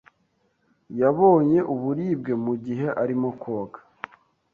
Yabonye uburibwe mugihe arimo koga.